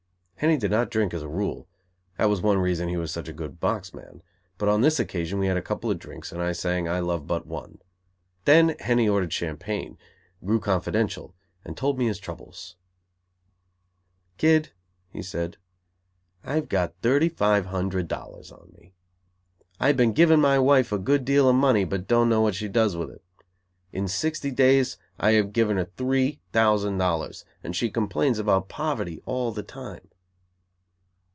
Henny did not drink as a rule; that was one reason he was such a good box man, but on this occasion we had a couple of drinks, and I sang "I love but one." Then Henny ordered champagne, grew confidential, and told me his troubles. "Kid" he said, "I've got thirty five hundred dollars on me. I have been giving my wife a good deal of money, but don't know what she does with it. In sixty days I have given her three thousand dollars, and she complains about poverty all the time."